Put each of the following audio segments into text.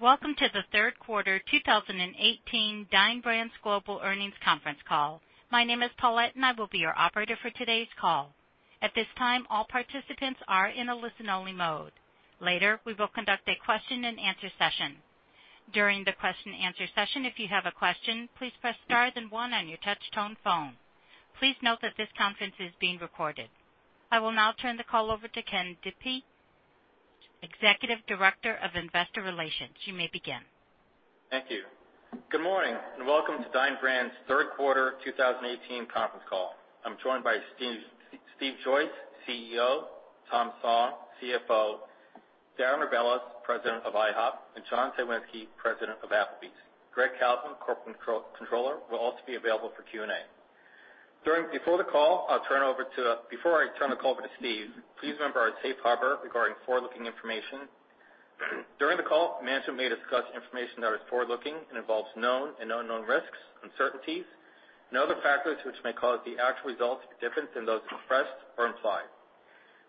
Welcome to the third quarter 2018 Dine Brands Global earnings conference call. My name is Paulette, and I will be your operator for today's call. At this time, all participants are in a listen-only mode. Later, we will conduct a question and answer session. During the question answer session, if you have a question, please press star then one on your touch tone phone. Please note that this conference is being recorded. I will now turn the call over to Ken Diptee, Executive Director of Investor Relations. You may begin. Thank you. Good morning, welcome to Dine Brands third quarter 2018 conference call. I am joined by Steve Joyce, CEO, Thomas Song, CFO, Darren Rebelez, President of IHOP, and John Cywinski, President of Applebee's. Greggory Kalvin, Corporate Controller, will also be available for Q&A. Before I turn the call over to Steve, please remember our safe harbor regarding forward-looking information. During the call, management may discuss information that is forward-looking and involves known and unknown risks, uncertainties, and other factors which may cause the actual results to be different than those expressed or implied.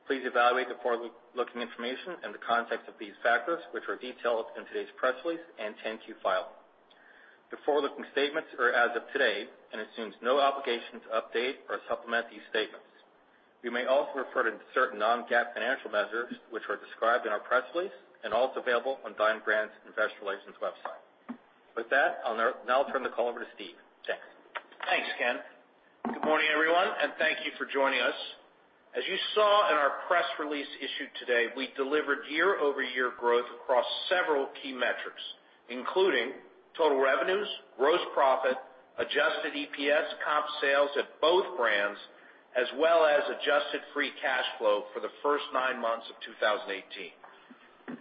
Please evaluate the forward-looking information in the context of these factors, which are detailed in today's press release and 10-Q file. The forward-looking statements are as of today and assumes no obligation to update or supplement these statements. We may also refer to certain non-GAAP financial measures, which are described in our press release and also available on Dine Brands Investor Relations website. With that, I will now turn the call over to Steve. Thanks. Thanks, Ken. Good morning, everyone, thank you for joining us. As you saw in our press release issued today, we delivered year-over-year growth across several key metrics, including total revenues, gross profit, adjusted EPS, comp sales at both brands, as well as adjusted free cash flow for the first nine months of 2018.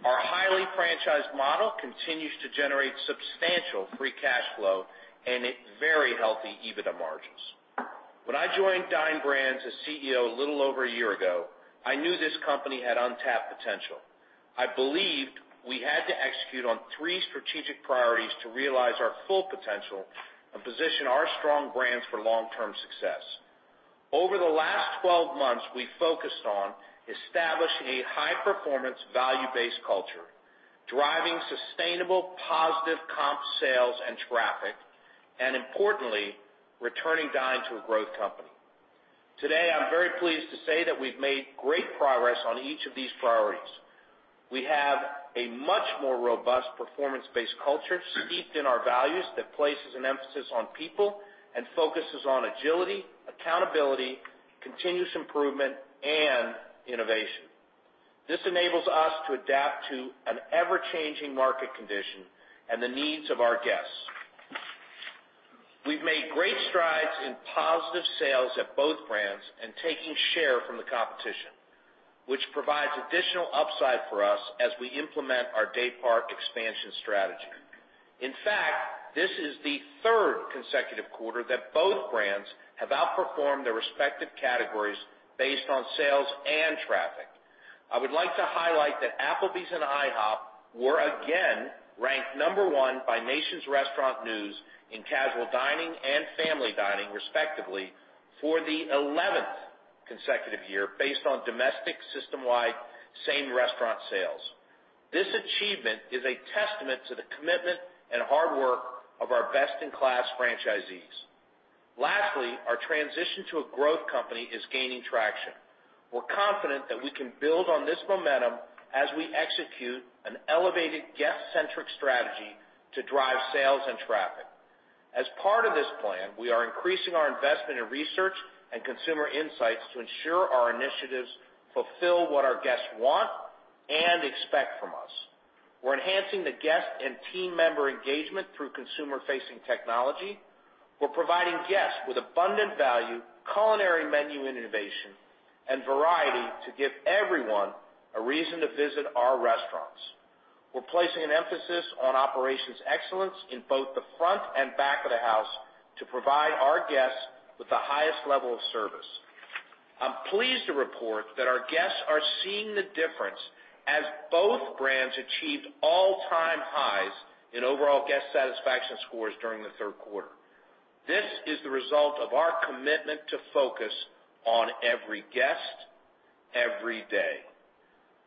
Our highly franchised model continues to generate substantial free cash flow and very healthy EBITDA margins. When I joined Dine Brands as CEO a little over a year ago, I knew this company had untapped potential. I believed we had to execute on three strategic priorities to realize our full potential and position our strong brands for long-term success. Over the last 12 months, we focused on establishing a high-performance, value-based culture, driving sustainable positive comp sales and traffic, and importantly, returning Dine to a growth company. Today, I'm very pleased to say that we've made great progress on each of these priorities. We have a much more robust performance-based culture steeped in our values that places an emphasis on people and focuses on agility, accountability, continuous improvement, and innovation. This enables us to adapt to an ever-changing market condition and the needs of our guests. We've made great strides in positive sales at both brands and taking share from the competition, which provides additional upside for us as we implement our daypart expansion strategy. In fact, this is the third consecutive quarter that both brands have outperformed their respective categories based on sales and traffic. I would like to highlight that Applebee's and IHOP were again ranked number one by Nation's Restaurant News in casual dining and family dining, respectively, for the 11th consecutive year based on domestic, system-wide, same-restaurant sales. This achievement is a testament to the commitment and hard work of our best-in-class franchisees. Lastly, our transition to a growth company is gaining traction. We're confident that we can build on this momentum as we execute an elevated guest-centric strategy to drive sales and traffic. As part of this plan, we are increasing our investment in research and consumer insights to ensure our initiatives fulfill what our guests want and expect from us. We're enhancing the guest and team member engagement through consumer-facing technology. We're providing guests with abundant value, culinary menu innovation, and variety to give everyone a reason to visit our restaurants. We're placing an emphasis on operations excellence in both the front and back of the house to provide our guests with the highest level of service. I'm pleased to report that our guests are seeing the difference as both brands achieved all-time highs in overall guest satisfaction scores during the third quarter. This is the result of our commitment to focus on every guest, every day.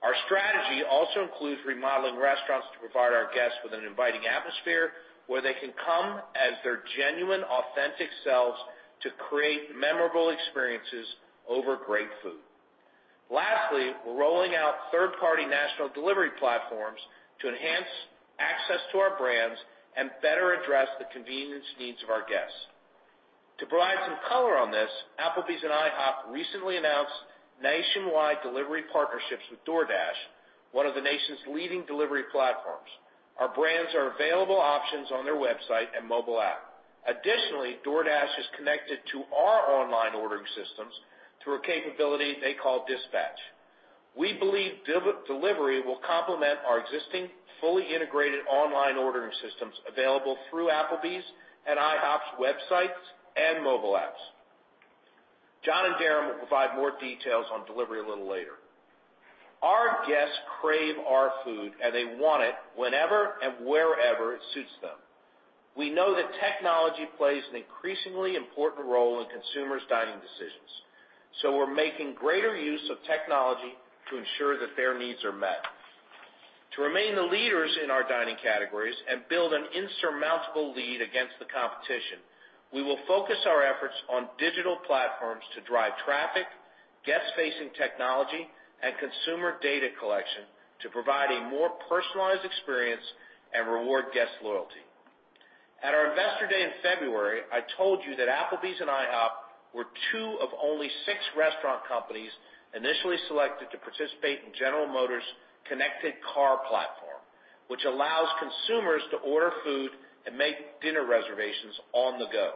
Our strategy also includes remodeling restaurants to provide our guests with an inviting atmosphere where they can come as their genuine, authentic selves to create memorable experiences over great food. Lastly, we're rolling out third-party national delivery platforms to enhance access to our brands and better address the convenience needs of our guests. To provide some color on this, Applebee's and IHOP recently announced nationwide delivery partnerships with DoorDash, one of the nation's leading delivery platforms. Our brands are available options on their website and mobile app. Additionally, DoorDash is connected to our online ordering systems through a capability they call Dispatch. We believe delivery will complement our existing, fully integrated online ordering systems available through Applebee's and IHOP's websites and mobile apps. John and Darren will provide more details on delivery a little later. Our guests crave our food, and they want it whenever and wherever it suits them. We know that technology plays an increasingly important role in consumers' dining decisions. We're making greater use of technology to ensure that their needs are met. To remain the leaders in our dining categories and build an insurmountable lead against the competition, we will focus our efforts on digital platforms to drive traffic, guest-facing technology, and consumer data collection to provide a more personalized experience and reward guest loyalty. At our investor day in February, I told you that Applebee's and IHOP were two of only six restaurant companies initially selected to participate in General Motors' connected car platform, which allows consumers to order food and make dinner reservations on the go.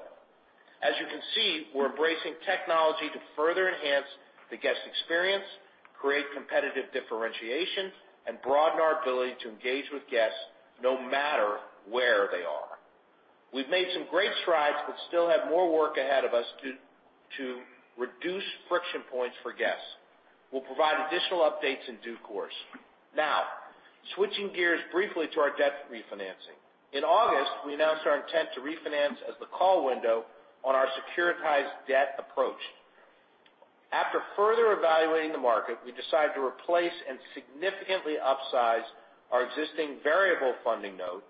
As you can see, we're embracing technology to further enhance the guest experience, create competitive differentiation, and broaden our ability to engage with guests no matter where they are. We've made some great strides but still have more work ahead of us to reduce friction points for guests. We'll provide additional updates in due course. Switching gears briefly to our debt refinancing. In August, we announced our intent to refinance as the call window on our securitized debt approached. After further evaluating the market, we decided to replace and significantly upsize our existing variable funding note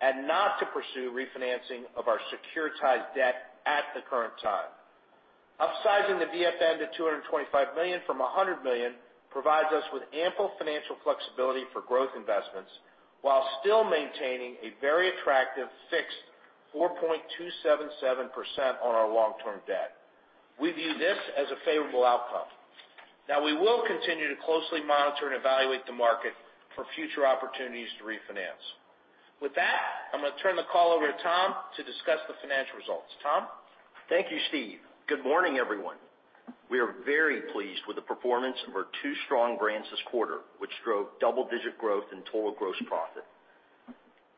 and not to pursue refinancing of our securitized debt at the current time. Upsizing the VFN to $225 million from $100 million provides us with ample financial flexibility for growth investments while still maintaining a very attractive fixed 4.277% on our long-term debt. We view this as a favorable outcome. We will continue to closely monitor and evaluate the market for future opportunities to refinance. With that, I'm going to turn the call over to Tom to discuss the financial results. Tom? Thank you, Steve. Good morning, everyone. We are very pleased with the performance of our two strong brands this quarter, which drove double-digit growth in total gross profit.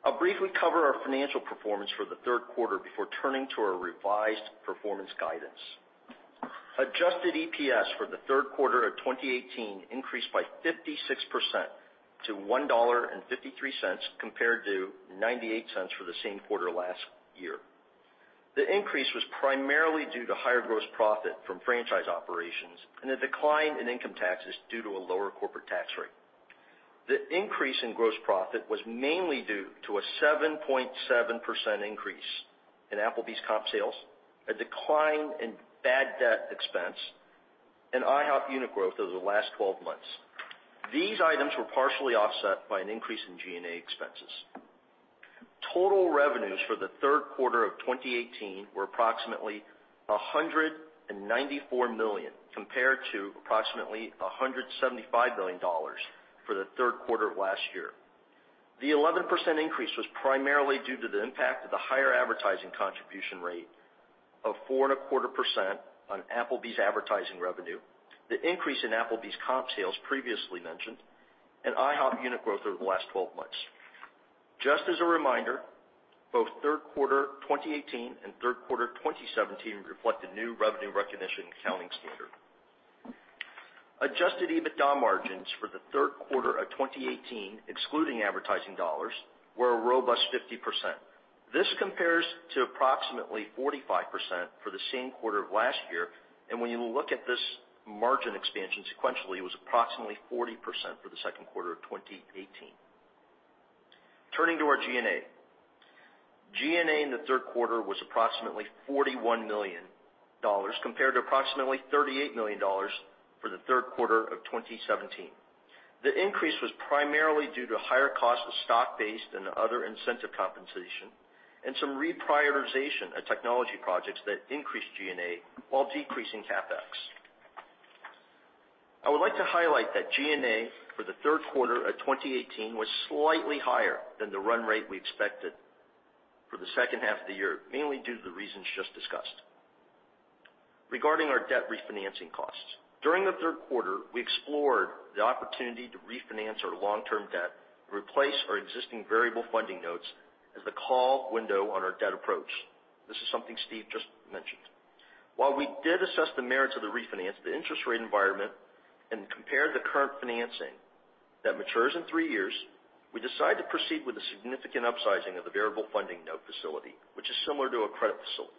I'll briefly cover our financial performance for the third quarter before turning to our revised performance guidance. Adjusted EPS for the third quarter of 2018 increased by 56% to $1.53 compared to $0.98 for the same quarter last year. The increase was primarily due to higher gross profit from franchise operations and a decline in income taxes due to a lower corporate tax rate. The increase in gross profit was mainly due to a 7.7% increase in Applebee's comp sales, a decline in bad debt expense, and IHOP unit growth over the last 12 months. These items were partially offset by an increase in G&A expenses. Total revenues for the third quarter of 2018 were approximately $194 million, compared to approximately $175 million for the third quarter of last year. The 11% increase was primarily due to the impact of the higher advertising contribution rate of 4.25% on Applebee's advertising revenue, the increase in Applebee's comp sales previously mentioned, and IHOP unit growth over the last 12 months. Just as a reminder, both third quarter 2018 and third quarter 2017 reflect the new revenue recognition accounting standard. Adjusted EBITDA margins for the third quarter of 2018, excluding advertising dollars, were a robust 50%. This compares to approximately 45% for the same quarter of last year, and when you look at this margin expansion sequentially, it was approximately 40% for the second quarter of 2018. Turning to our G&A. G&A in the third quarter was approximately $41 million compared to approximately $38 million for the third quarter of 2017. The increase was primarily due to higher costs of stock-based and other incentive compensation and some reprioritization of technology projects that increased G&A while decreasing CapEx. I would like to highlight that G&A for the third quarter of 2018 was slightly higher than the run rate we expected for the second half of the year, mainly due to the reasons just discussed. Regarding our debt refinancing costs. During the third quarter, we explored the opportunity to refinance our long-term debt and replace our existing variable funding notes as the call window on our debt approached. This is something Steve just mentioned. While we did assess the merits of the refinance, the interest rate environment, and compared the current financing that matures in three years, we decided to proceed with a significant upsizing of the variable funding note facility, which is similar to a credit facility.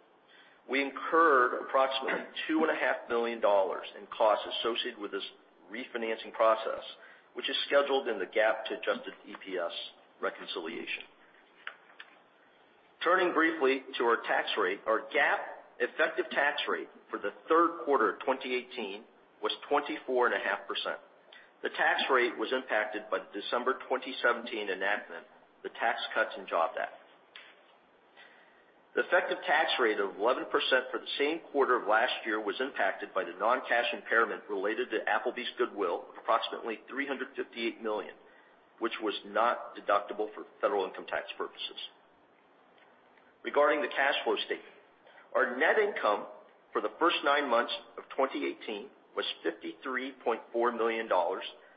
We incurred approximately $2.5 million in costs associated with this refinancing process, which is scheduled in the GAAP to adjusted EPS reconciliation. Turning briefly to our tax rate. Our GAAP effective tax rate for the third quarter of 2018 was 24.5%. The tax rate was impacted by the December 2017 enactment, the Tax Cuts and Jobs Act. The effective tax rate of 11% for the same quarter of last year was impacted by the non-cash impairment related to Applebee's goodwill of approximately $358 million, which was not deductible for federal income tax purposes. Regarding the cash flow statement. Our net income for the first nine months of 2018 was $53.4 million,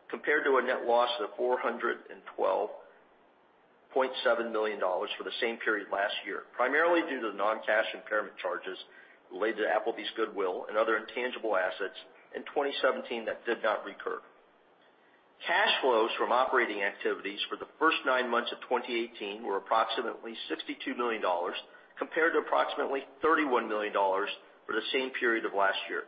compared to a net loss of $412.7 million for the same period last year, primarily due to the non-cash impairment charges related to Applebee's goodwill and other intangible assets in 2017 that did not recur. Cash flows from operating activities for the first nine months of 2018 were approximately $62 million, compared to approximately $31 million for the same period of last year.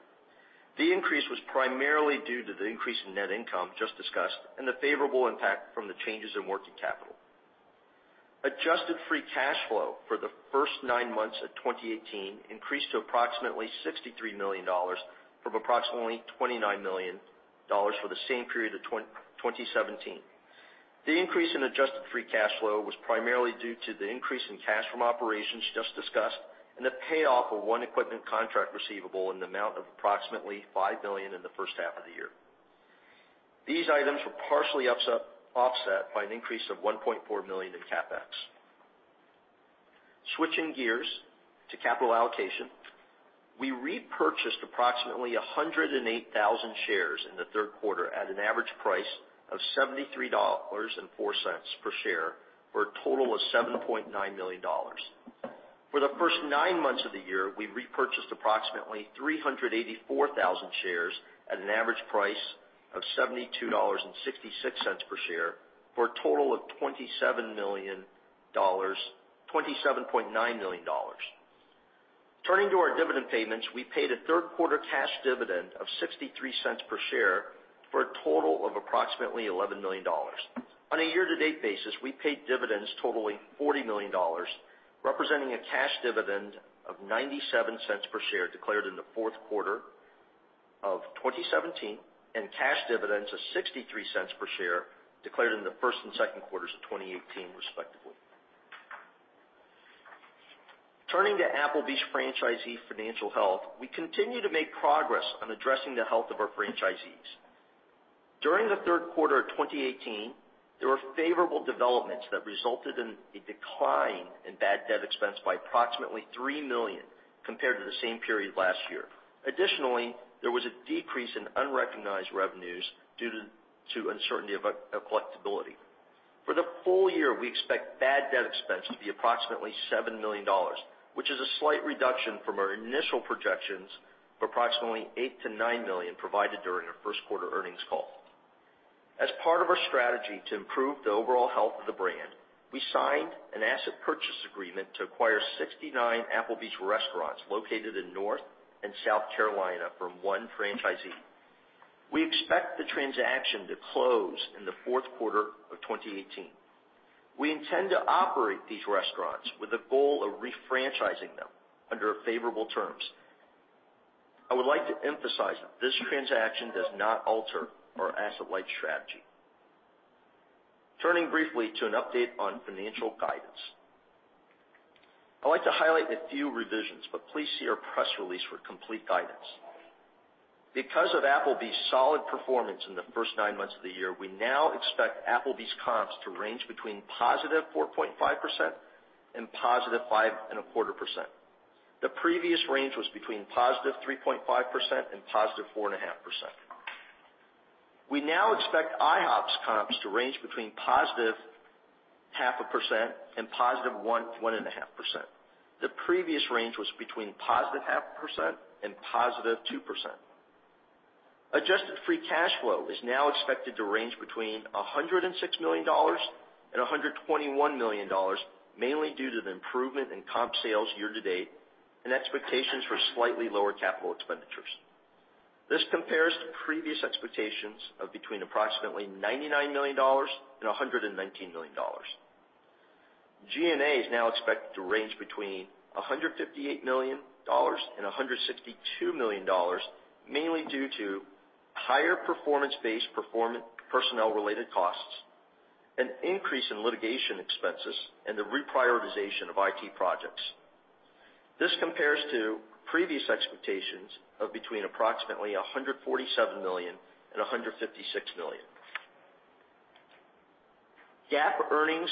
The increase was primarily due to the increase in net income just discussed and the favorable impact from the changes in working capital. Adjusted free cash flow for the first nine months of 2018 increased to approximately $63 million from approximately $29 million for the same period of 2017. The increase in adjusted free cash flow was primarily due to the increase in cash from operations just discussed and the payoff of one equipment contract receivable in the amount of approximately $5 million in the first half of the year. These items were partially offset by an increase of $1.4 million in CapEx. Switching gears to capital allocation, we repurchased approximately 108,000 shares in the third quarter at an average price of $73.04 per share, for a total of $7.9 million. For the first nine months of the year, we repurchased approximately 384,000 shares at an average price of $72.66 per share, for a total of $27.9 million. Turning to our dividend payments, we paid a third quarter cash dividend of $0.63 per share for a total of approximately $11 million. On a year-to-date basis, we paid dividends totaling $40 million, representing a cash dividend of $0.97 per share declared in the fourth quarter of 2017, and cash dividends of $0.63 per share declared in the first and second quarters of 2018, respectively. Turning to Applebee's franchisee financial health, we continue to make progress on addressing the health of our franchisees. During the third quarter of 2018, there were favorable developments that resulted in a decline in bad debt expense by approximately $3 million compared to the same period last year. Additionally, there was a decrease in unrecognized revenues due to uncertainty of collectibility. For the full year, we expect bad debt expense to be approximately $7 million, which is a slight reduction from our initial projections of approximately $8 million-$9 million provided during our first quarter earnings call. As part of our strategy to improve the overall health of the brand, we signed an asset purchase agreement to acquire 69 Applebee's restaurants located in North and South Carolina from one franchisee. We expect the transaction to close in the fourth quarter of 2018. We intend to operate these restaurants with a goal of refranchising them under favorable terms. I would like to emphasize that this transaction does not alter our asset-light strategy. Turning briefly to an update on financial guidance. I'd like to highlight a few revisions, but please see our press release for complete guidance. Because of Applebee's solid performance in the first nine months of the year, we now expect Applebee's comps to range between positive 4.5% and positive 5.25%. The previous range was between 3.5%-4.5%. We now expect IHOP's comps to range between positive 0.5% and positive 1.5%. The previous range was between 0.5%-2%. Adjusted free cash flow is now expected to range between $106 million-$121 million, mainly due to the improvement in comp sales year-to-date and expectations for slightly lower capital expenditures. This compares to previous expectations of between approximately $99 million-$119 million. G&A is now expected to range between $158 million-$162 million, mainly due to higher performance-based personnel related costs, an increase in litigation expenses, and the reprioritization of IT projects. This compares to previous expectations of between approximately $147 million-$156 million. GAAP earnings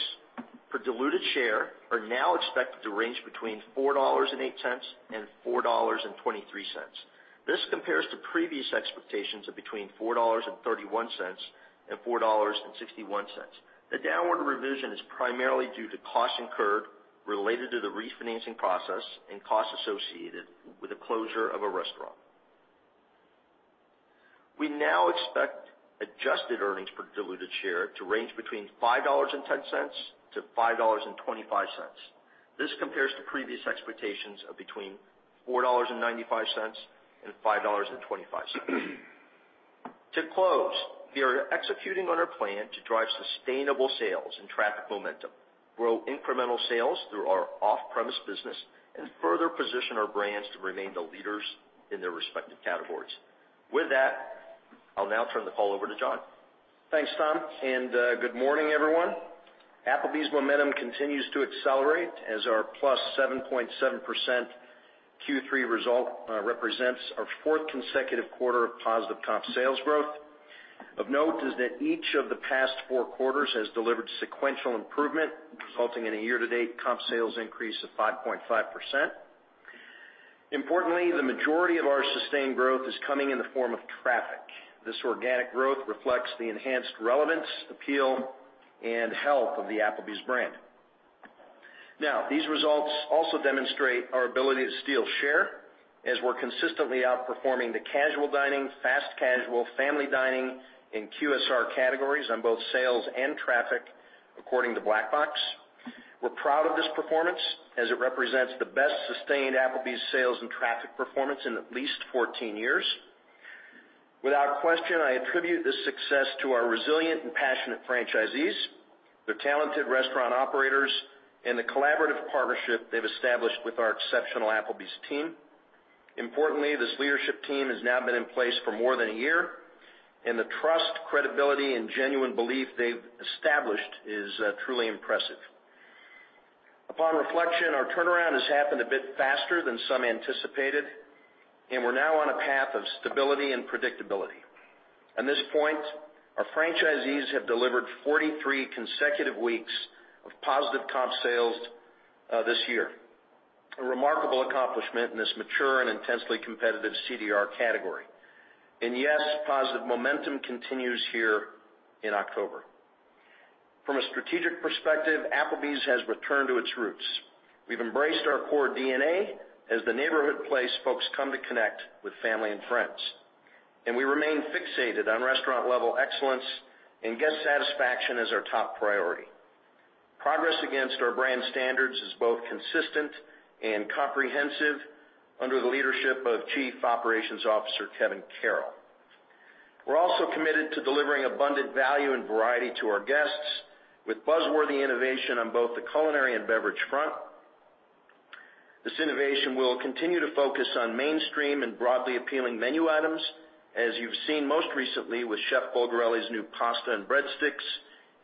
per diluted share are now expected to range between $4.08-$4.23. This compares to previous expectations of between $4.31-$4.61. The downward revision is primarily due to costs incurred related to the refinancing process and costs associated with the closure of a restaurant. We now expect adjusted earnings per diluted share to range between $5.10-$5.25. This compares to previous expectations of between $4.95-$5.25. To close, we are executing on our plan to drive sustainable sales and traffic momentum, grow incremental sales through our off-premise business, and further position our brands to remain the leaders in their respective categories. With that, I'll now turn the call over to John. Thanks, Tom, and good morning, everyone. Applebee's momentum continues to accelerate as our +7.7% Q3 result represents our fourth consecutive quarter of positive comp sales growth. Of note is that each of the past four quarters has delivered sequential improvement, resulting in a year-to-date comp sales increase of 5.5%. Importantly, the majority of our sustained growth is coming in the form of traffic. This organic growth reflects the enhanced relevance, appeal, and health of the Applebee's brand. These results also demonstrate our ability to steal share as we're consistently outperforming the casual dining, fast casual, family dining, and QSR categories on both sales and traffic according to Black Box. We're proud of this performance, as it represents the best sustained Applebee's sales and traffic performance in at least 14 years. Without question, I attribute this success to our resilient and passionate franchisees, their talented restaurant operators, and the collaborative partnership they've established with our exceptional Applebee's team. Importantly, this leadership team has now been in place for more than a year, and the trust, credibility, and genuine belief they've established is truly impressive. Upon reflection, our turnaround has happened a bit faster than some anticipated, and we're now on a path of stability and predictability. On this point, our franchisees have delivered 43 consecutive weeks of positive comp sales this year. A remarkable accomplishment in this mature and intensely competitive CDR category. Yes, positive momentum continues here in October. From a strategic perspective, Applebee's has returned to its roots. We've embraced our core DNA as the neighborhood place folks come to connect with family and friends. We remain fixated on restaurant-level excellence, and guest satisfaction is our top priority. Progress against our brand standards is both consistent and comprehensive under the leadership of Chief Operations Officer Kevin Carroll. We're also committed to delivering abundant value and variety to our guests with buzz-worthy innovation on both the culinary and beverage front. This innovation will continue to focus on mainstream and broadly appealing menu items, as you've seen most recently with Chef Bulgarelli's new pasta and breadsticks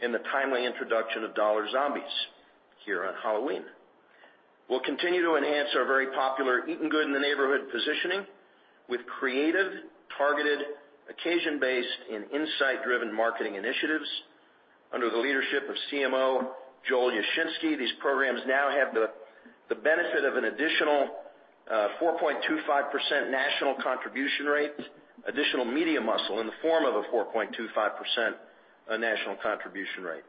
and the timely introduction of DOLLAR Zombies here on Halloween. We'll continue to enhance our very popular Eatin' Good in the Neighborhood positioning with creative, targeted, occasion-based, and insight-driven marketing initiatives under the leadership of CMO Joel Yashinsky. These programs now have the benefit of an additional 4.25% national contribution rate, additional media muscle in the form of a 4.25% national contribution rate.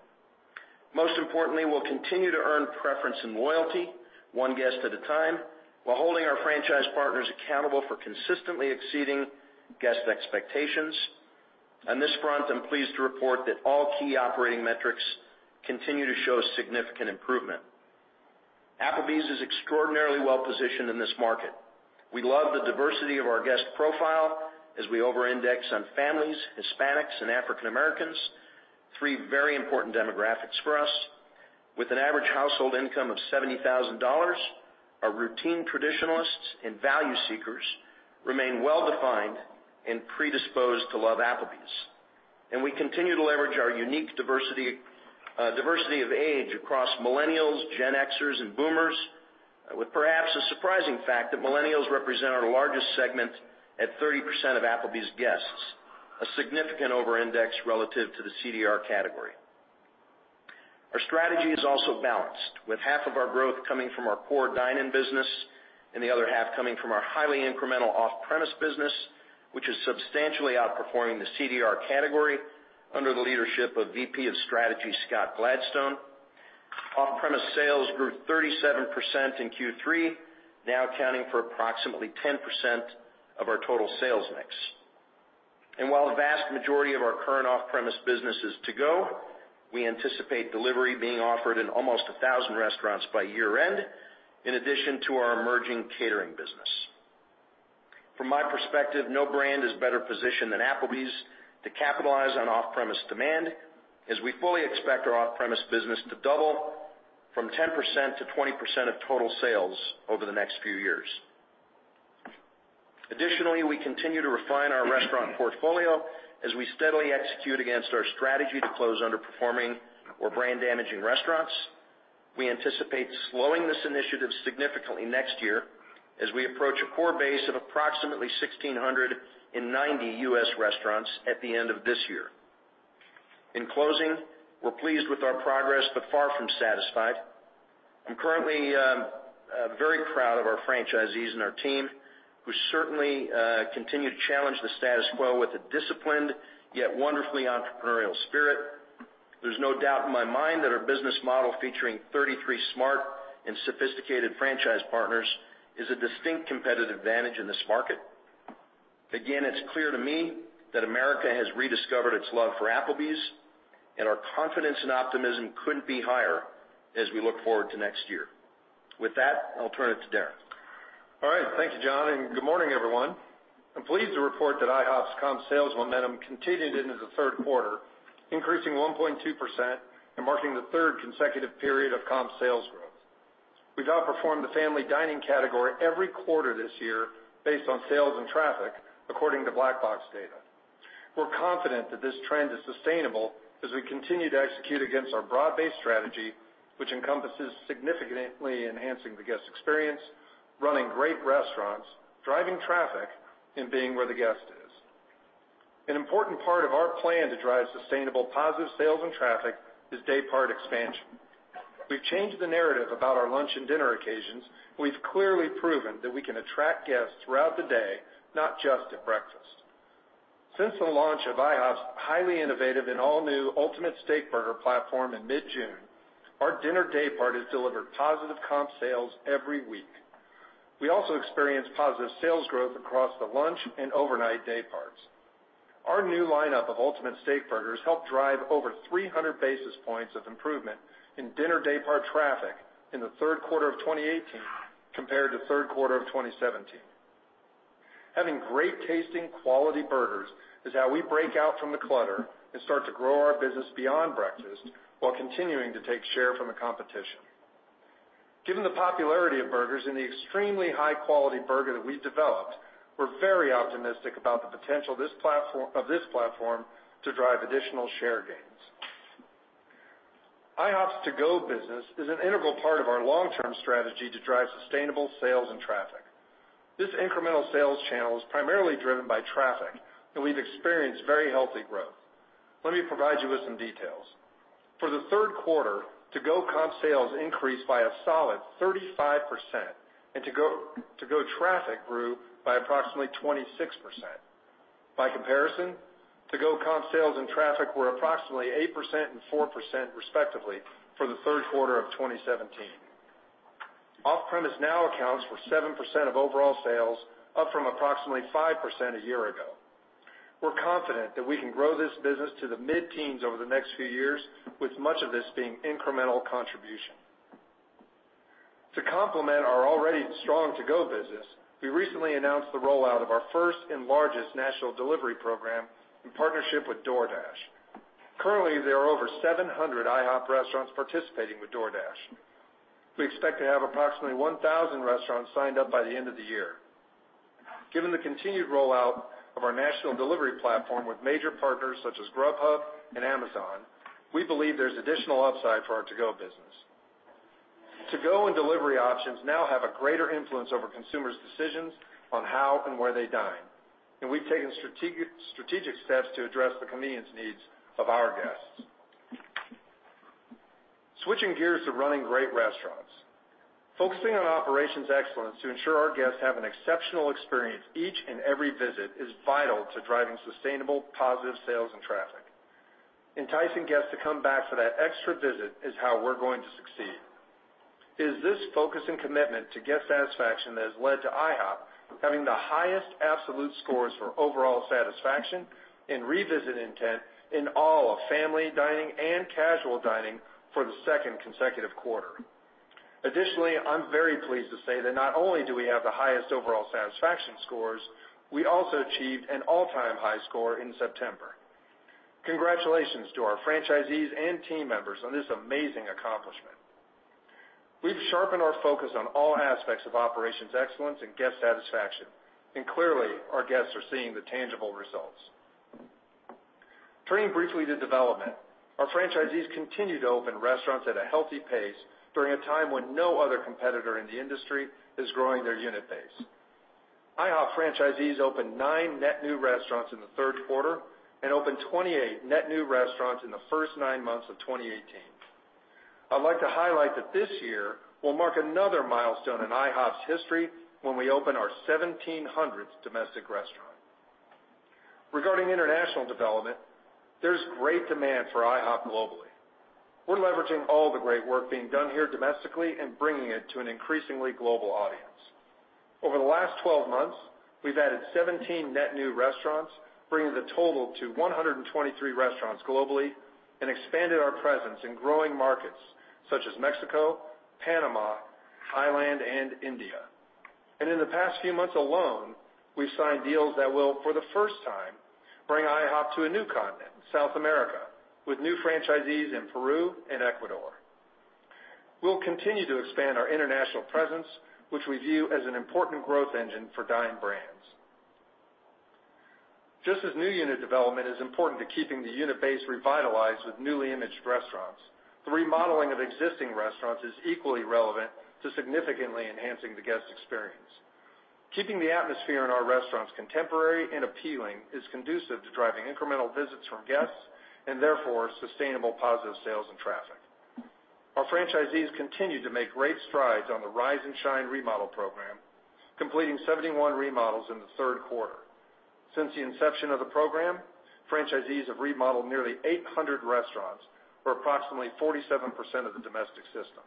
Most importantly, we'll continue to earn preference and loyalty one guest at a time while holding our franchise partners accountable for consistently exceeding guest expectations. On this front, I'm pleased to report that all key operating metrics continue to show a significant improvement. Applebee's is extraordinarily well-positioned in this market. We love the diversity of our guest profile as we over-index on families, Hispanics, and African Americans, three very important demographics for us. With an average household income of $70,000, our routine traditionalists and value seekers remain well-defined and predisposed to love Applebee's. We continue to leverage our unique diversity of age across millennials, Gen Xers, and boomers with perhaps the surprising fact that millennials represent our largest segment at 30% of Applebee's guests, a significant over-index relative to the CDR category. Our strategy is also balanced, with half of our growth coming from our core dine-in business and the other half coming from our highly incremental off-premise business, which is substantially outperforming the CDR category under the leadership of VP of Strategy, Scott Gladstone. Off-premise sales grew 37% in Q3, now accounting for approximately 10% of our total sales mix. While the vast majority of our current off-premise business is to-go, we anticipate delivery being offered in almost 1,000 restaurants by year-end in addition to our emerging catering business. From my perspective, no brand is better positioned than Applebee's to capitalize on off-premise demand, as we fully expect our off-premise business to double from 10% to 20% of total sales over the next few years. Additionally, we continue to refine our restaurant portfolio as we steadily execute against our strategy to close underperforming or brand-damaging restaurants. We anticipate slowing this initiative significantly next year as we approach a core base of approximately 1,690 U.S. restaurants at the end of this year. In closing, we're pleased with our progress, but far from satisfied. I'm currently very proud of our franchisees and our team, who certainly continue to challenge the status quo with a disciplined yet wonderfully entrepreneurial spirit. There's no doubt in my mind that our business model, featuring 33 smart and sophisticated franchise partners, is a distinct competitive advantage in this market. Again, it's clear to me that America has rediscovered its love for Applebee's, and our confidence and optimism couldn't be higher as we look forward to next year. With that, I'll turn it to Darren. All right. Thank you, John, and good morning, everyone. I'm pleased to report that IHOP's comp sales momentum continued into the third quarter, increasing 1.2% and marking the third consecutive period of comp sales growth. We've outperformed the family dining category every quarter this year based on sales and traffic, according to Black Box data. We're confident that this trend is sustainable as we continue to execute against our broad-based strategy, which encompasses significantly enhancing the guest experience, running great restaurants, driving traffic, and being where the guest is. An important part of our plan to drive sustainable positive sales and traffic is daypart expansion. We've changed the narrative about our lunch and dinner occasions. We've clearly proven that we can attract guests throughout the day, not just at breakfast. Since the launch of IHOP's highly innovative and all-new Ultimate Steakburger platform in mid-June, our dinner daypart has delivered positive comp sales every week. We also experienced positive sales growth across the lunch and overnight dayparts. Our new lineup of Ultimate Steakburgers helped drive over 300 basis points of improvement in dinner daypart traffic in the third quarter of 2018 compared to third quarter of 2017. Having great-tasting quality burgers is how we break out from the clutter and start to grow our business beyond breakfast while continuing to take share from the competition. Given the popularity of burgers and the extremely high quality burger that we've developed, we're very optimistic about the potential of this platform to drive additional share gains. IHOP's To-Go business is an integral part of our long-term strategy to drive sustainable sales and traffic. This incremental sales channel is primarily driven by traffic, and we've experienced very healthy growth. Let me provide you with some details. For the third quarter, To-Go comp sales increased by a solid 35%, and To-Go traffic grew by approximately 26%. By comparison, To-Go comp sales and traffic were approximately 8% and 4% respectively for the third quarter of 2017. Off-premise now accounts for 7% of overall sales, up from approximately 5% a year ago. We're confident that we can grow this business to the mid-teens over the next few years, with much of this being incremental contribution. To complement our already strong To-Go business, we recently announced the rollout of our first and largest national delivery program in partnership with DoorDash. Currently, there are over 700 IHOP restaurants participating with DoorDash. We expect to have approximately 1,000 restaurants signed up by the end of the year. Given the continued rollout of our national delivery platform with major partners such as Grubhub and Amazon, we believe there's additional upside for our To-Go business. To-Go and delivery options now have a greater influence over consumers' decisions on how and where they dine, and we've taken strategic steps to address the convenience needs of our guests. Switching gears to running great restaurants. Focusing on operations excellence to ensure our guests have an exceptional experience each and every visit is vital to driving sustainable positive sales and traffic. Enticing guests to come back for that extra visit is how we're going to succeed. It is this focus and commitment to guest satisfaction that has led to IHOP having the highest absolute scores for overall satisfaction and revisit intent in all of family dining and casual dining for the second consecutive quarter. I'm very pleased to say that not only do we have the highest overall satisfaction scores, we also achieved an all-time high score in September. Congratulations to our franchisees and team members on this amazing accomplishment. We've sharpened our focus on all aspects of operations excellence and guest satisfaction, and clearly, our guests are seeing the tangible results. Turning briefly to development. Our franchisees continue to open restaurants at a healthy pace during a time when no other competitor in the industry is growing their unit base. IHOP franchisees opened nine net new restaurants in the third quarter and opened 28 net new restaurants in the first nine months of 2018. I'd like to highlight that this year will mark another milestone in IHOP's history when we open our 1,700th domestic restaurant. Regarding international development, there's great demand for IHOP globally. We're leveraging all the great work being done here domestically and bringing it to an increasingly global audience. Over the last 12 months, we've added 17 net new restaurants, bringing the total to 123 restaurants globally and expanded our presence in growing markets such as Mexico, Panama, Thailand, and India. In the past few months alone, we've signed deals that will, for the first time, bring IHOP to a new continent, South America, with new franchisees in Peru and Ecuador. We'll continue to expand our international presence, which we view as an important growth engine for Dine Brands. Just as new unit development is important to keeping the unit base revitalized with newly imaged restaurants, the remodeling of existing restaurants is equally relevant to significantly enhancing the guest experience. Keeping the atmosphere in our restaurants contemporary and appealing is conducive to driving incremental visits from guests and therefore sustainable positive sales and traffic. Our franchisees continue to make great strides on the Rise and Shine remodel program, completing 71 remodels in the third quarter. Since the inception of the program, franchisees have remodeled nearly 800 restaurants or approximately 47% of the domestic system.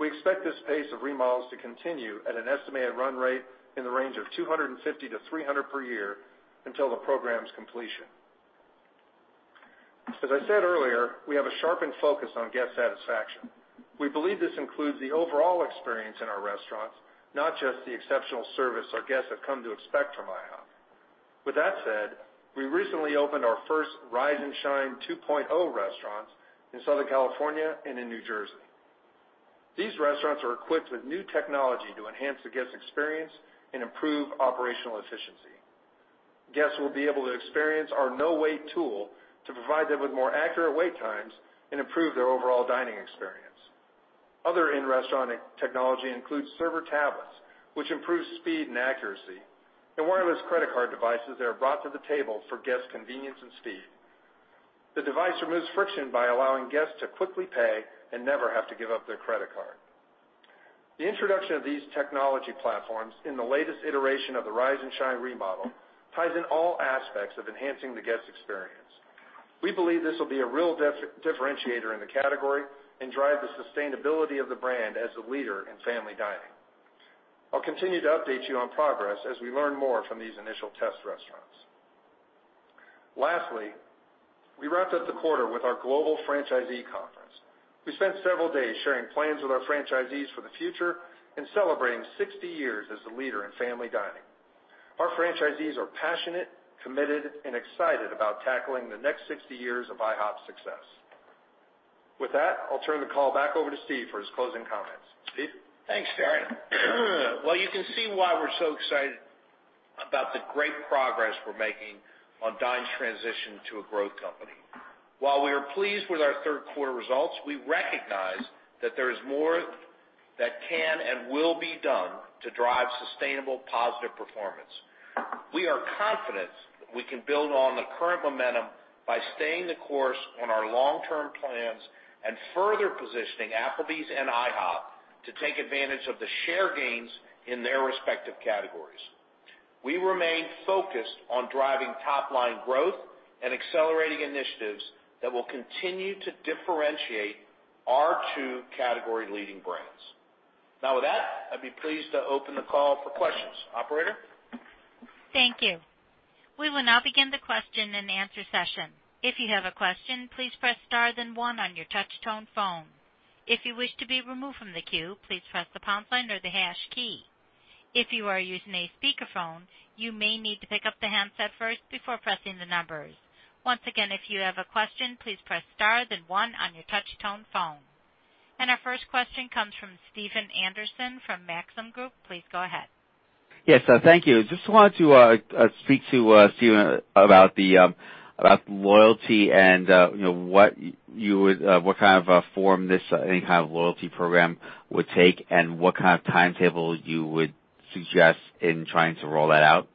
We expect this pace of remodels to continue at an estimated run rate in the range of 250 to 300 per year until the program's completion. As I said earlier, we have a sharpened focus on guest satisfaction. We believe this includes the overall experience in our restaurants, not just the exceptional service our guests have come to expect from IHOP. With that said, we recently opened our first Rise and Shine 2.0 restaurants in Southern California and in New Jersey. These restaurants are equipped with new technology to enhance the guest experience and improve operational efficiency. Guests will be able to experience our Nowait tool to provide them with more accurate wait times and improve their overall dining experience. Other in-restaurant technology includes server tablets, which improve speed and accuracy, and wireless credit card devices that are brought to the table for guest convenience and speed. The device removes friction by allowing guests to quickly pay and never have to give up their credit card. The introduction of these technology platforms in the latest iteration of the Rise and Shine remodel ties in all aspects of enhancing the guest experience. We believe this will be a real differentiator in the category and drive the sustainability of the brand as the leader in family dining. I'll continue to update you on progress as we learn more from these initial test restaurants. Lastly, we wrapped up the quarter with our global franchisee conference. We spent several days sharing plans with our franchisees for the future and celebrating 60 years as the leader in family dining. Our franchisees are passionate, committed, and excited about tackling the next 60 years of IHOP success. With that, I'll turn the call back over to Steve for his closing comments. Steve? Thanks, Darren. You can see why we're so excited about the great progress we're making on Dine's transition to a growth company. While we are pleased with our third quarter results, we recognize that there is more that can and will be done to drive sustainable positive performance. We are confident we can build on the current momentum by staying the course on our long-term plans and further positioning Applebee's and IHOP to take advantage of the share gains in their respective categories. We remain focused on driving top-line growth and accelerating initiatives that will continue to differentiate our two category-leading brands. With that, I'd be pleased to open the call for questions. Operator? Thank you. We will now begin the question-and-answer session. If you have a question, please press star then one on your touch-tone phone. If you wish to be removed from the queue, please press the pound sign or the hash key. If you are using a speakerphone, you may need to pick up the handset first before pressing the numbers. Once again, if you have a question, please press star then one on your touch-tone phone. Our first question comes from Stephen Anderson from Maxim Group. Please go ahead. Yes, thank you. Just wanted to speak to Stephen about loyalty and what kind of form this any kind of loyalty program would take and what kind of timetable you would suggest in trying to roll that out.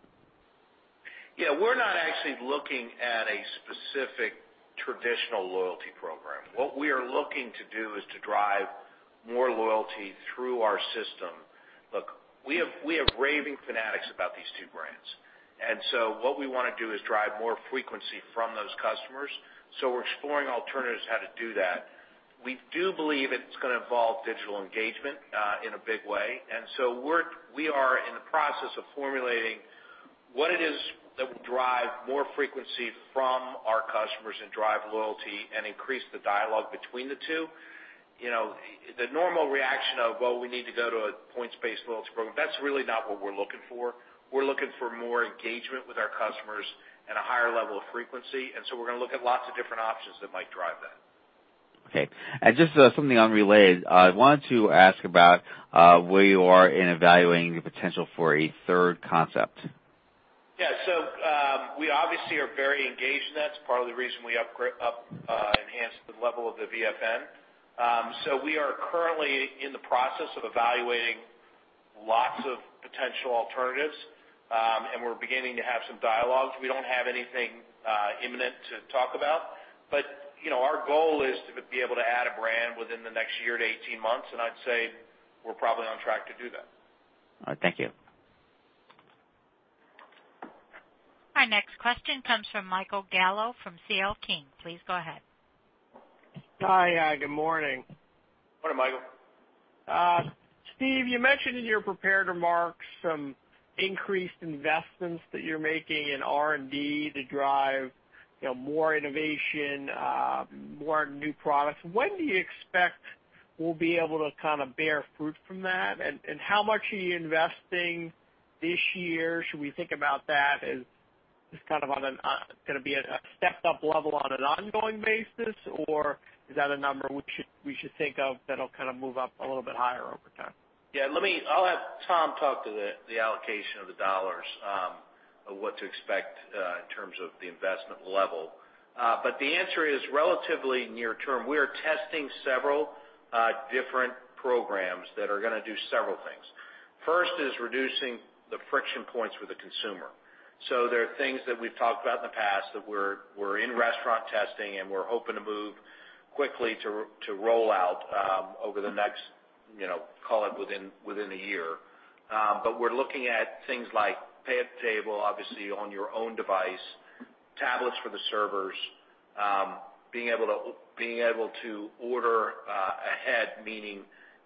We're not actually looking at a specific traditional loyalty program. What we are looking to do is to drive more loyalty through our system. Look, we have raving fanatics about these two brands. What we want to do is drive more frequency from those customers. We're exploring alternatives how to do that. We do believe it's going to involve digital engagement in a big way. We are in the process of formulating what it is that will drive more frequency from our customers and drive loyalty and increase the dialogue between the two. The normal reaction of, well, we need to go to a points-based loyalty program, that's really not what we're looking for. We're looking for more engagement with our customers and a higher level of frequency. We're going to look at lots of different options that might drive that. Okay. Just something unrelated. I wanted to ask about where you are in evaluating the potential for a third concept. Yeah. We obviously are very engaged in that. It's part of the reason we enhanced the level of the VFN. We are currently in the process of evaluating lots of potential alternatives, and we're beginning to have some dialogues. We don't have anything imminent to talk about, but our goal is to be able to add a brand within the next year to 18 months, and I'd say we're probably on track to do that. All right. Thank you. Our next question comes from Michael Gallo from C.L. King. Please go ahead. Hi. Good morning. Morning, Michael. Steve, you mentioned in your prepared remarks some increased investments that you're making in R&D to drive more innovation, more new products. When do you expect we'll be able to kind of bear fruit from that? How much are you investing this year? Should we think about that as just kind of going to be a stepped-up level on an ongoing basis? Or is that a number we should think of that'll kind of move up a little bit higher over time? Yeah. I'll have Tom talk to the allocation of the dollars of what to expect in terms of the investment level. The answer is relatively near term. We are testing several different programs that are going to do several things. First is reducing the friction points for the consumer. There are things that we've talked about in the past that we're in restaurant testing, and we're hoping to move quickly to roll out over the next, call it within the year. We're looking at things like pay at the table, obviously on your own device, tablets for the servers, being able to order ahead, meaning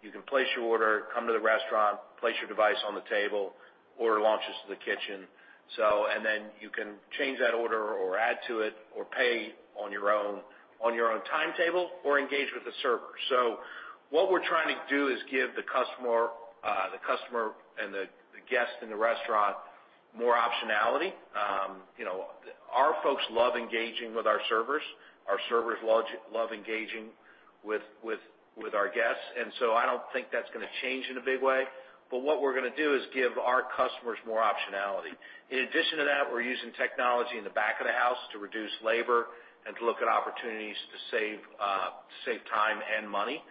you can place your order, come to the restaurant, place your device on the table, order launches to the kitchen. You can change that order or add to it or pay on your own timetable or engage with a server. What we're trying to do is give the customer and the guest in the restaurant more optionality. Our folks love engaging with our servers. Our servers love engaging with our guests. I don't think that's going to change in a big way. What we're going to do is give our customers more optionality. In addition to that, we're using technology in the back of the house to reduce labor and to look at opportunities to save time and money.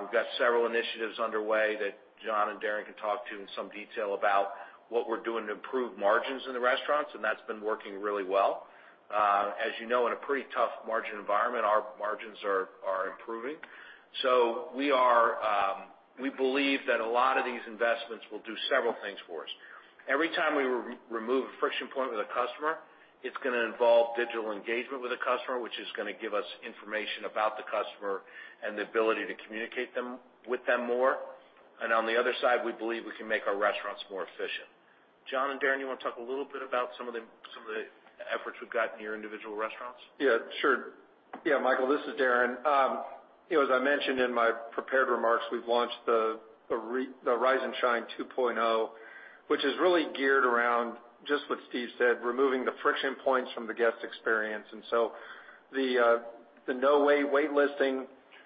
We've got several initiatives underway that John and Darin can talk to in some detail about what we're doing to improve margins in the restaurants, and that's been working really well. As you know, in a pretty tough margin environment, our margins are improving. We believe that a lot of these investments will do several things for us. Every time we remove a friction point with a customer, it's going to involve digital engagement with the customer, which is going to give us information about the customer and the ability to communicate with them more. On the other side, we believe we can make our restaurants more efficient. John and Darren, you want to talk a little bit about some of the efforts we've got in your individual restaurants? Yeah, sure. Michael, this is Darren. As I mentioned in my prepared remarks, we've launched the Rise and Shine 2.0, which is really geared around just what Steve said, removing the friction points from the guest experience. The Nowait waitlisting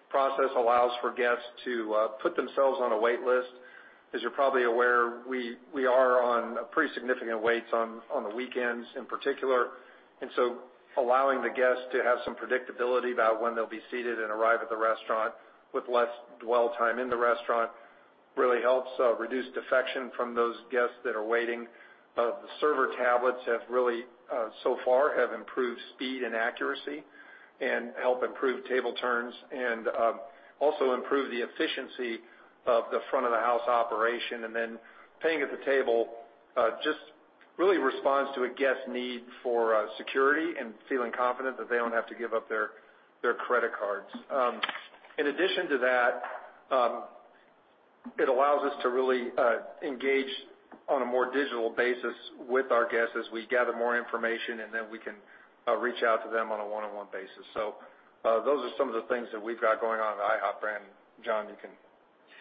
process allows for guests to put themselves on a wait list. As you're probably aware, we are on pretty significant waits on the weekends in particular, allowing the guests to have some predictability about when they'll be seated and arrive at the restaurant with less dwell time in the restaurant really helps reduce defection from those guests that are waiting. The server tablets, so far, have improved speed and accuracy and help improve table turns, and also improve the efficiency of the front-of-the-house operation. Paying at the table just really responds to a guest need for security and feeling confident that they don't have to give up their credit cards. In addition to that, it allows us to really engage on a more digital basis with our guests as we gather more information, we can reach out to them on a one-on-one basis. Those are some of the things that we've got going on at the IHOP brand. John, you can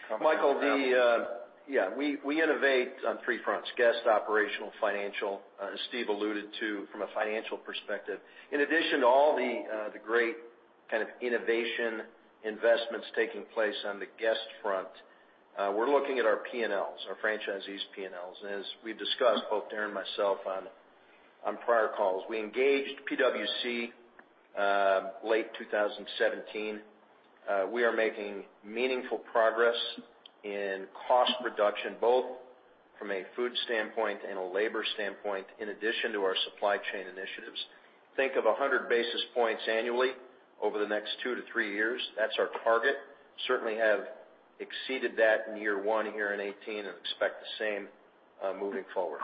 comment on that. Michael, we innovate on three fronts: guest, operational, financial, as Steve alluded to from a financial perspective. In addition to all the great kind of innovation investments taking place on the guest front, we're looking at our P&Ls, our franchisees' P&Ls. As we've discussed, both Darren and myself, on prior calls, we engaged PwC late 2017. We are making meaningful progress in cost reduction, both from a food standpoint and a labor standpoint, in addition to our supply chain initiatives. Think of 100 basis points annually over the next two to three years. That's our target. Certainly have exceeded that in year one here in 2018 and expect the same moving forward.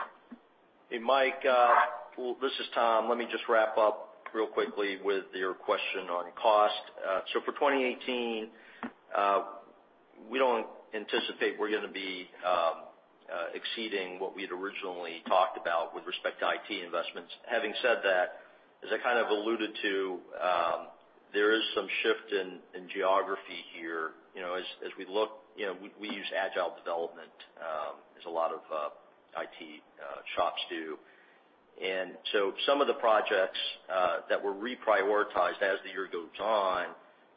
Hey, Michael, this is Thomas. Let me just wrap up real quickly with your question on cost. For 2018, we do not anticipate we are going to be exceeding what we had originally talked about with respect to IT investments. Having said that, as I alluded to, there is some shift in geography here. As we look, we use agile development as a lot of IT shops do. Some of the projects that were reprioritized as the year goes on,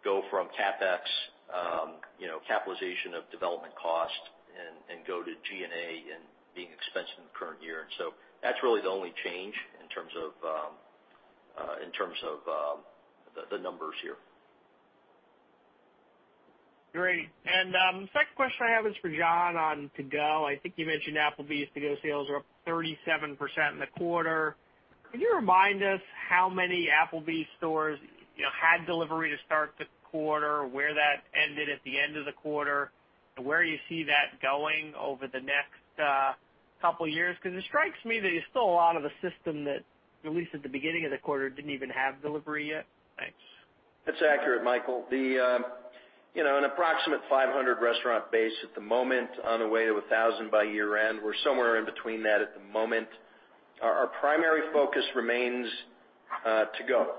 go from CapEx, capitalization of development cost, and go to G&A and being expensed in the current year. That is really the only change in terms of the numbers here. Great. The second question I have is for John on to-go. I think you mentioned Applebee's to-go sales are up 37% in the quarter. Could you remind us how many Applebee's stores had delivery to start the quarter, where that ended at the end of the quarter, and where you see that going over the next couple of years? Because it strikes me that there is still a lot of the system that, at least at the beginning of the quarter, did not even have delivery yet. Thanks. That is accurate, Michael. An approximate 500 restaurant base at the moment on the way to 1,000 by year-end. We are somewhere in between that at the moment. Our primary focus remains to-go.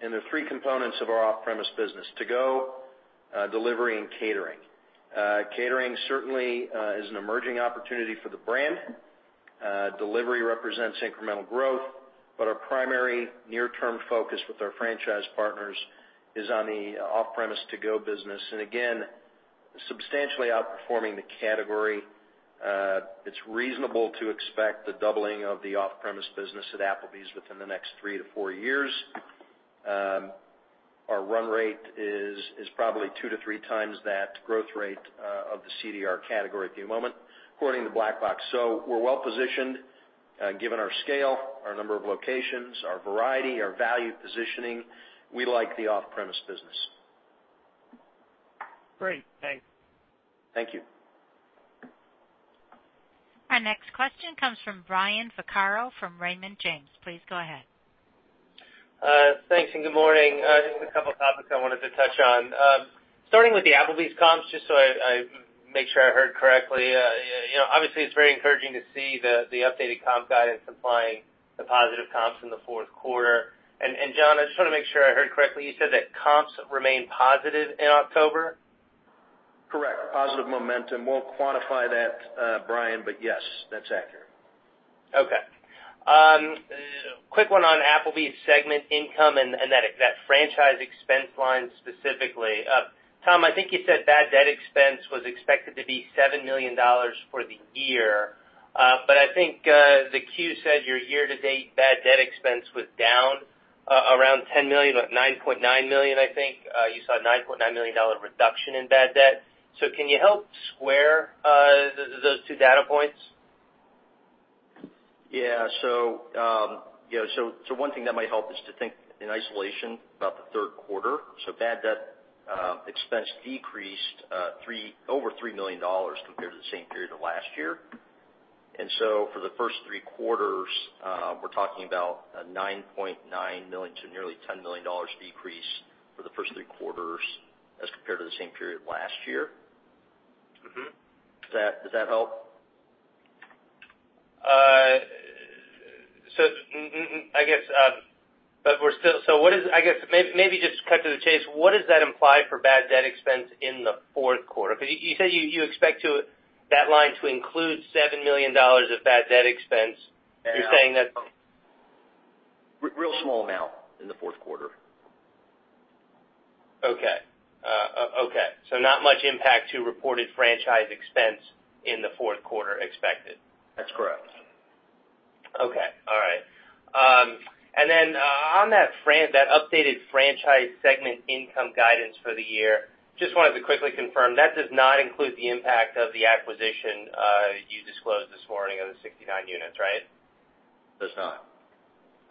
There are three components of our off-premise business: to-go, delivery, and catering. Catering certainly is an emerging opportunity for the brand. Delivery represents incremental growth. Our primary near-term focus with our franchise partners is on the off-premise to-go business. Again, substantially outperforming the category. It is reasonable to expect the doubling of the off-premise business at Applebee's within the next three to four years. Our run rate is probably two to three times that growth rate of the CDR category at the moment, according to Black Box Intelligence. We are well positioned, given our scale, our number of locations, our variety, our value positioning. We like the off-premise business. Great. Thanks. Thank you. Our next question comes from Brian Vaccaro from Raymond James. Please go ahead. Thanks, and good morning. Just a couple of topics I wanted to touch on. Starting with the Applebee's comps, just so I make sure I heard correctly. Obviously, it's very encouraging to see the updated comp guidance implying the positive comps in the fourth quarter. John, I just want to make sure I heard correctly. You said that comps remained positive in October? Correct. Positive momentum. Won't quantify that, Brian, but yes, that's accurate. Okay. Quick one on Applebee's segment income and that franchise expense line specifically. Tom, I think you said bad debt expense was expected to be $7 million for the year. I think the 10-Q said your year-to-date bad debt expense was down around $10 million, $9.9 million, I think. You saw a $9.9 million reduction in bad debt. Can you help square those two data points? Yeah. One thing that might help is to think in isolation about the third quarter. Bad debt expense decreased over $3 million compared to the same period of last year. For the first three quarters, we're talking about a $9.9 million to nearly $10 million decrease for the first three quarters as compared to the same period last year. Does that help? I guess, maybe just cut to the chase. What does that imply for bad debt expense in the fourth quarter? Because you said you expect that line to include $7 million of bad debt expense. Real small amount in the fourth quarter. Okay. Not much impact to reported franchise expense in the fourth quarter expected. That's correct. Okay. All right. On that updated franchise segment income guidance for the year, just wanted to quickly confirm, that does not include the impact of the acquisition you disclosed this morning of the 69 units, right? Does not.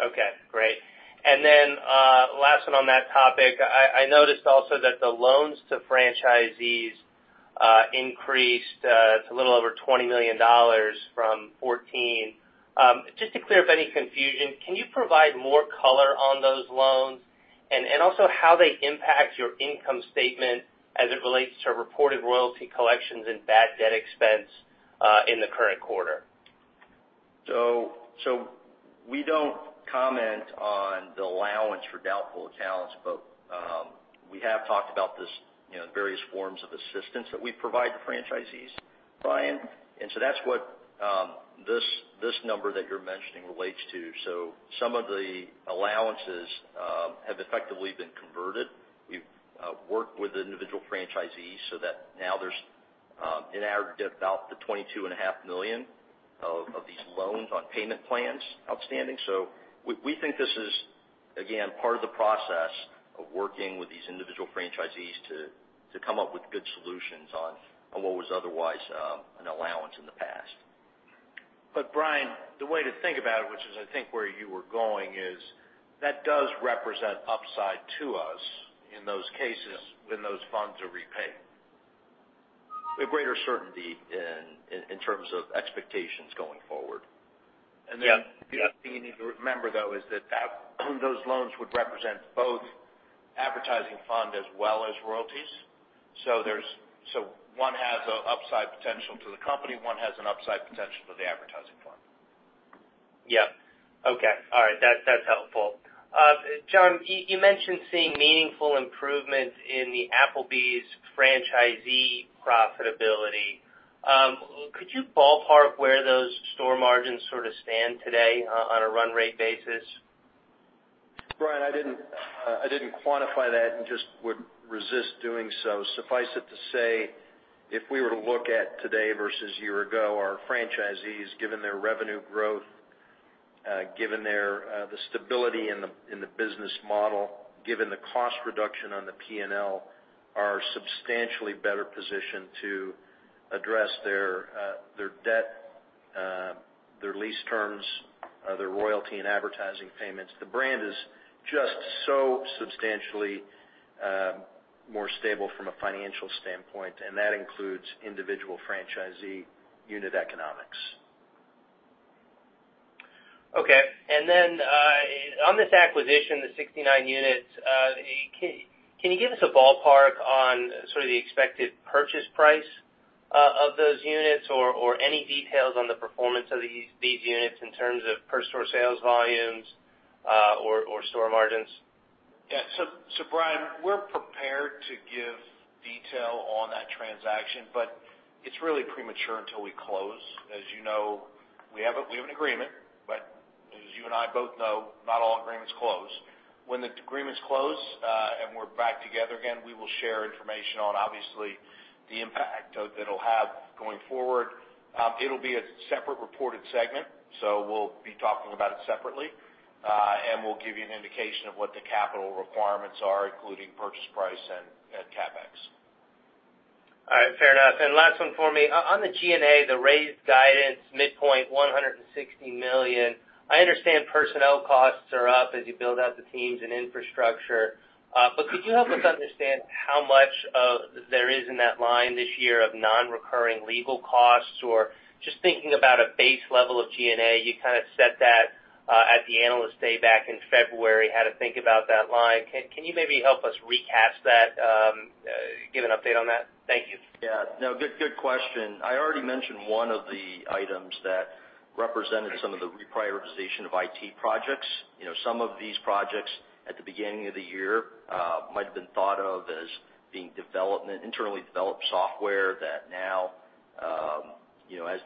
Okay, great. Last one on that topic. I noticed also that the loans to franchisees increased to a little over $20 million from $14 million. Just to clear up any confusion, can you provide more color on those loans and also how they impact your income statement as it relates to reported royalty collections and bad debt expense in the current quarter? We don't comment on the allowance for doubtful accounts, but we have talked about this in various forms of assistance that we provide to franchisees, Brian. That's what this number that you're mentioning relates to. Some of the allowances have effectively been converted. We've worked with individual franchisees so that now there's in aggregate, about the $22.5 million of these loans on payment plans outstanding. We think this is, again, part of the process of working with these individual franchisees to come up with good solutions on what was otherwise an allowance in the past. Brian, the way to think about it, which is I think where you were going, is that does represent upside to us in those cases when those funds are repaid. With greater certainty in terms of expectations going forward. Yeah. The other thing you need to remember, though, is that those loans would represent both advertising fund as well as royalties. One has an upside potential to the company, one has an upside potential to the advertising fund. Yeah. Okay. All right. That's helpful. John, you mentioned seeing meaningful improvements in the Applebee's franchisee profitability. Could you ballpark where those store margins sort of stand today on a run rate basis? Brian, I didn't quantify that and just would resist doing so. Suffice it to say, if we were to look at today versus a year ago, our franchisees, given their revenue growth, given the stability in the business model, given the cost reduction on the P&L, are substantially better positioned to address their debt, their lease terms, their royalty and advertising payments. The brand is just so substantially more stable from a financial standpoint, and that includes individual franchisee unit economics. Okay. On this acquisition, the 69 units, can you give us a ballpark on sort of the expected purchase price of those units or any details on the performance of these units in terms of per store sales volumes or store margins? Yeah. Brian, we're prepared to give detail on that transaction, but it's really premature until we close. As you know, we have an agreement, but as you and I both know, not all agreements close. When the agreement's closed and we're back together again, we will share information on obviously the impact that it'll have going forward. It'll be a separate reported segment, so we'll be talking about it separately. We'll give you an indication of what the capital requirements are, including purchase price and CapEx. All right, fair enough. Last one for me. On the G&A, the raised guidance midpoint $160 million, I understand personnel costs are up as you build out the teams and infrastructure. Could you help us understand how much there is in that line this year of non-recurring legal costs or just thinking about a base level of G&A, you kind of set that at the Analyst Day back in February, how to think about that line. Can you maybe help us recast that, give an update on that? Thank you. Yeah. No, good question. I already mentioned one of the items that represented some of the reprioritization of IT projects. Some of these projects at the beginning of the year might have been thought of as being internally developed software that now, as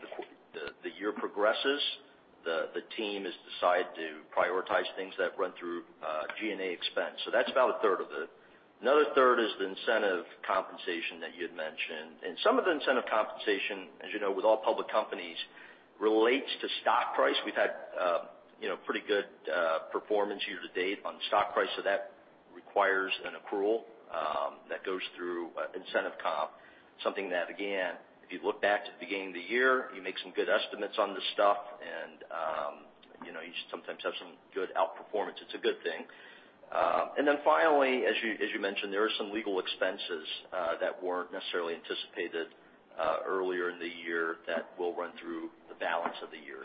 the year progresses, the team has decided to prioritize things that run through G&A expense. That's about a third of it. Another third is the incentive compensation that you had mentioned. Some of the incentive compensation, as you know, with all public companies, relates to stock price. We've had pretty good performance year to date on stock price, that requires an accrual that goes through incentive comp. Something that, again, if you look back to the beginning of the year, you make some good estimates on this stuff and you sometimes have some good outperformance. It's a good thing. Finally, as you mentioned, there are some legal expenses that weren't necessarily anticipated earlier in the year that will run through the balance of the year.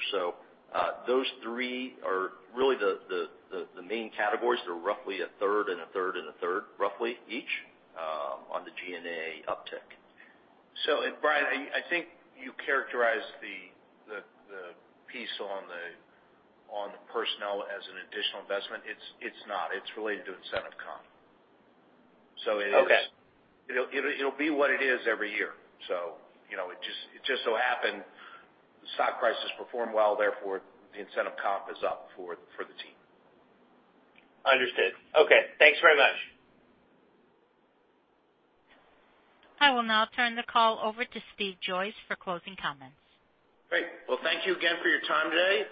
Those three are really the main categories. They're roughly a third and a third and a third, roughly, each, on the G&A uptick. Brian, I think you characterized the piece on the personnel as an additional investment. It's not. It's related to incentive comp. Okay. It'll be what it is every year. It just so happened the stock price has performed well, therefore the incentive comp is up for the team. Understood. Okay. Thanks very much. I will now turn the call over to Steve Joyce for closing comments. Great. Well, thank you again for your time today.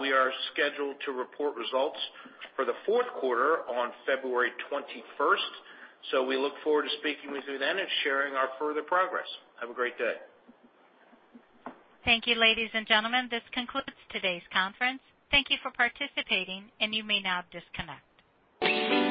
We are scheduled to report results for the fourth quarter on February 21st. We look forward to speaking with you then and sharing our further progress. Have a great day. Thank you, ladies and gentlemen. This concludes today's conference. Thank you for participating, and you may now disconnect.